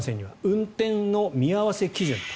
運転の見合わせ基準と。